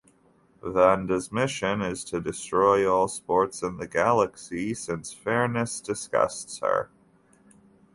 Vanda's mission is to destroy all sports in the galaxy since fairness disgusts her.